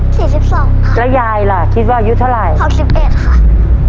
สิบสองค่ะแล้วยายล่ะคิดว่าอายุเท่าไหร่หกสิบเอ็ดค่ะ